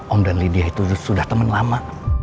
om dan lydia itu sudah temen lama